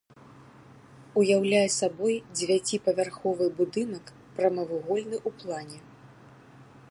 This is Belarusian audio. Уяўляе сабой дзевяціпавярховы будынак прамавугольны ў плане.